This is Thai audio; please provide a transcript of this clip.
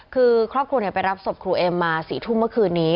คือครอบครัวไปรับศพครูเอ็มมา๔ทุ่มเมื่อคืนนี้